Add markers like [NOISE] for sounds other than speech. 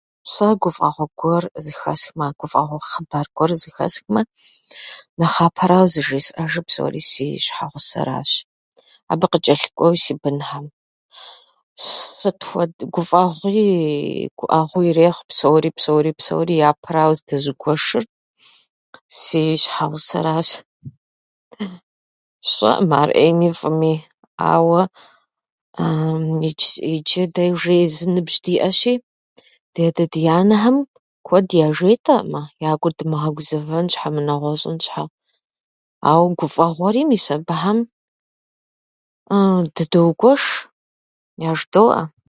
Сэ гуфӏэгъуэ гуэр зэхэсхмэ, гуфӏэгъуэ хъыбар гуэр зэхэсхмэ, нэхъапэра зыжесӏэжыр псори си щхьэгъусэращ. Абы къычӏэлъыкӏуэуи си бынхьэм. с- Сыт хуэд- гуфӏэгъуии гуӏэгъуи ирехъу, псори, псори, псори япэрауэ здэзугуэшыр си щхьэгъусэращ. [LAUGHS] Сщӏэӏым ар ӏейми фӏыми, ауэ [HESITATION] идж- иджы дэ уже езым ныбжь диӏэщи, ди адэ-ди анэхьэм куэд яжетӏэӏымэ, я гур дымыгъэгузэвэн щхьа, мынэгъуэщӏын щхьа. Ауэ гуфӏэгъуэри мис абыхэм [HESITATION] дыдоугуэш, яжыдоӏэ.